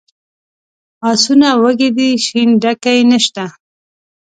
آسونه وږي دي شین ډکی نشته.